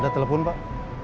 ada telepon pak